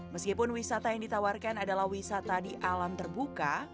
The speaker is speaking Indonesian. meskipun wisata yang ditawarkan adalah wisata di alam terbuka